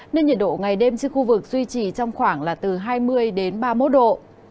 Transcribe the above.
nên nhiệt độ ngày đêm trên khu vực duy trì trong khoảng hai mươi ba mươi một độ